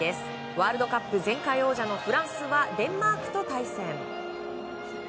ワールドカップ前回王者のフランスはデンマークと対戦。